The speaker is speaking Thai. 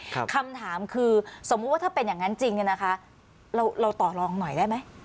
คำถามคือสมมุติว่าถ้าเป็นอย่างนั้นจริงเนี่ยนะคะเราเราต่อลองหน่อยได้ไหม